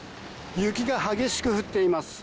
雪が激しく降っています。